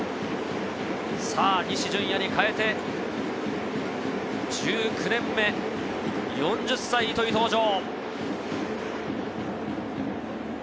西純矢に代えて、１９年目、４０歳、糸井登場。